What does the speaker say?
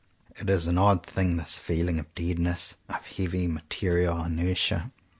It is an odd thing this feeling of deadness, of heavy material inertia.